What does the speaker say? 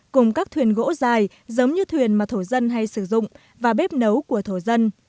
cùng các thuyền gỗ dài giống như thuyền mà thổ dân hay sử dụng và bếp nấu của thổ dân